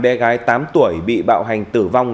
bé gái tám tuổi bị bạo hành tử vong